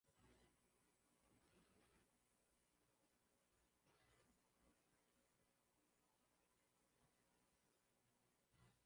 hiyo alikuwa anaandika hotuba yake kwa mkono na kwa haraka haraka Hakutaka ufedhuli ule